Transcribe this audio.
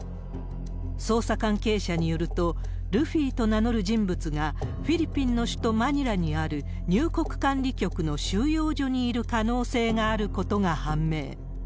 捜査関係者によると、ルフィと名乗る人物が、フィリピンの首都マニラにある入国管理局の収容所にいる可能性があることが判明。